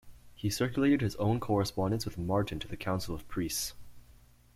He circulated his own correspondence with Martin to the Council of Priests.